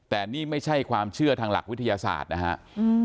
แต่นี่ไม่ใช่ความเชื่อทางหลักวิทยาศาสตร์นะครับ